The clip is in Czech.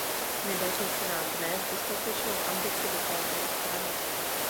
Nedaří se nám vnést dostatečnou ambici do této rozpravy.